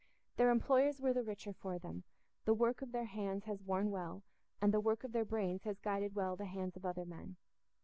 Their employers were the richer for them, the work of their hands has worn well, and the work of their brains has guided well the hands of other men.